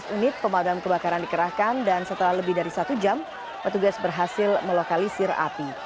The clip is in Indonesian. empat belas unit pemadam kebakaran dikerahkan dan setelah lebih dari satu jam petugas berhasil melokalisir api